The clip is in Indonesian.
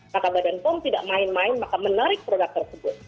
maka badan pom tidak main main maka menarik produk tersebut